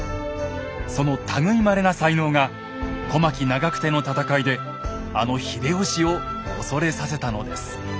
その類いまれな才能が小牧・長久手の戦いであの秀吉を恐れさせたのです。